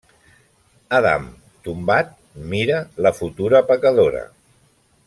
Adam, tombat, mira la futura pecadora.